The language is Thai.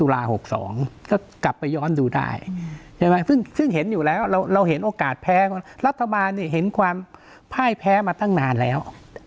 เราเห็นโอกาสแพ้รัฐบาลเห็นความพ่ายแพ้มาตั้งนานแล้ว